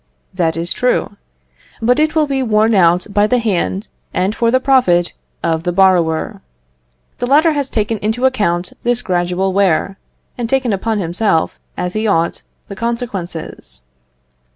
That is true; but it will be worn out by the hand and for the profit of the borrower. The latter has taken into account this gradual wear, and taken upon himself, as he ought, the consequences.